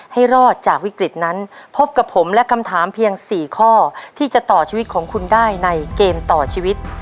ให้รอดจากวิกฤตนั้นพบกับผมและคำถามเพียง๔ข้อที่จะต่อชีวิตของคุณได้ในเกมต่อชีวิต